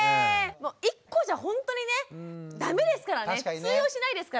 １個じゃほんとにね駄目ですからね通用しないですから。